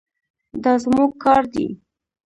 دا زموږ کار دی.